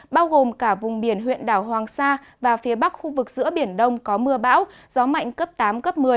bao gồm cả vùng biển huyện đảo hoàng sa và phía bắc khu vực giữa biển đông có mưa bão gió mạnh cấp tám cấp một mươi